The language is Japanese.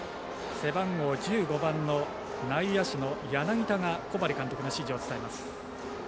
背番号１５番の内野手の柳田が小針監督の指示を伝えます。